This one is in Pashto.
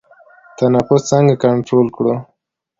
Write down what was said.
نفس څنګه کنټرول کړو؟